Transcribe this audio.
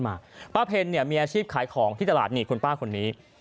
ป้าเพ็ญเนี่ยมีอาชีพขายของที่ตลาดนี่คุณป้าคนนี้